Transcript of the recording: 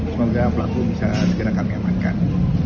semoga pelaku bisa segera kami amankan